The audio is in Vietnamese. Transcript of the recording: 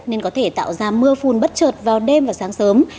nên có thể tạo ra mưa phun bất trợt vào đêm và sáng sớm